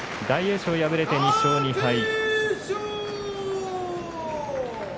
大栄翔、敗れて２勝２敗。